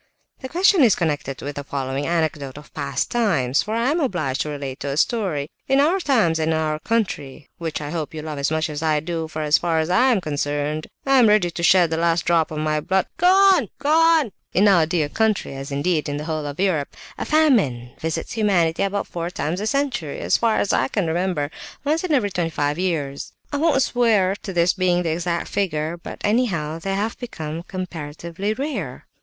"The question is connected with the following anecdote of past times; for I am obliged to relate a story. In our times, and in our country, which I hope you love as much as I do, for as far as I am concerned, I am ready to shed the last drop of my blood... "Go on! Go on!" "In our dear country, as indeed in the whole of Europe, a famine visits humanity about four times a century, as far as I can remember; once in every twenty five years. I won't swear to this being the exact figure, but anyhow they have become comparatively rare."